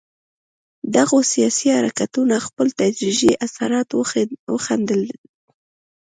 دغو سیاسي حرکتونو خپل تدریجي اثرات وښندل.